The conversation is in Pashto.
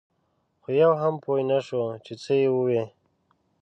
خو یو هم پوی نه شو چې څه یې ووې.